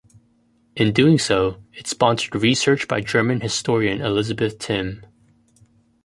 In doing so it sponsored research by German historian Elisabeth Timm.